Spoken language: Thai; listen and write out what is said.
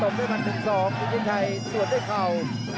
ตกด้วยมัน๑๒พริกกุญชัยสวดด้วยเข่า